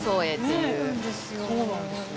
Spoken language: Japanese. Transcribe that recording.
そうなんですよ。